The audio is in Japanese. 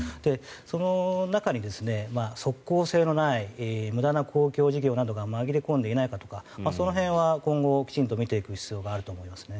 その中に即効性のない無駄な公共事業などが紛れ込んでいないかとかその辺は今後きちんと見ていく必要があると思います。